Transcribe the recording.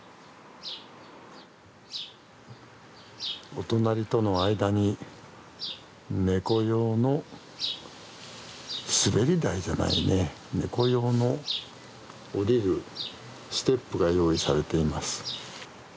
お隣との間に猫用の滑り台じゃないね猫用の下りるステップが用意されています。